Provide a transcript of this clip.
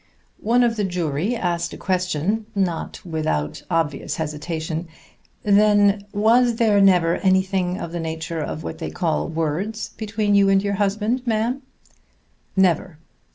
One of the jury asked a question, not without obvious hesitation. "Then was there never anything of the nature of what they call Words between you and your husband, ma'am?" "Never."